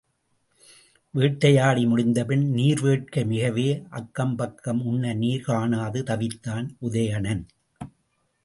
வேட்டையாடி முடிந்தபின் நீர் வேட்கை மிகவே அக்கம் பக்கம் உண்ண நீர் காணாது தவித்தான் உதயணன்.